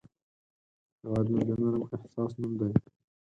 هیواد مې د نرم احساس نوم دی